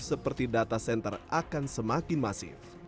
seperti data center akan semakin masif